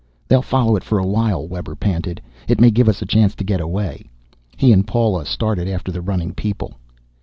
"They'll follow it for a while," Webber panted. "It may give us a chance to get away." He and Paula started after the running people.